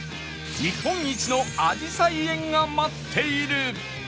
日本一のあじさい園が待っている！